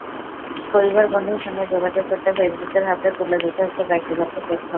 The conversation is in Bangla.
পরিবার-বন্ধুর সঙ্গে যোগাযোগ করতে ফেসবুকের হাতে তুলে দিতে হচ্ছে ব্যক্তিগত তথ্য।